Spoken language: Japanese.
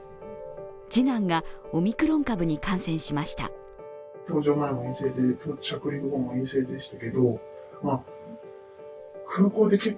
次男がオミクロン株に感染しました。